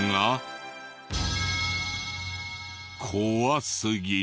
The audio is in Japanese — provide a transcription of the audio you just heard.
怖すぎる。